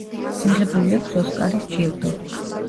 მიღებული აქვს ოსკარის ჯილდო.